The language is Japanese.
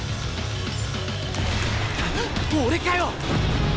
俺かよ！？